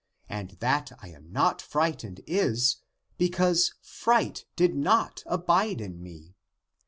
And that I am not fright ened is, because fright did not abide in me.